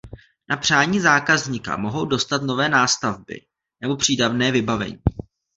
Na přání zákazníka mohou dostat nové nástavby nebo přídavné vybavení.